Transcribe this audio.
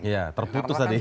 iya terputus tadi